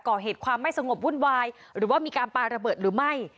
ก่อเหตุความไม่สงบวุ่นวายหรือว่ามีการปลาระเบิดหรือไม่